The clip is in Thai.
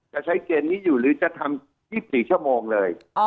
จะใช้เกณฑ์นี้อยู่หรือจะทำ๒๔ชั่วโมงเลย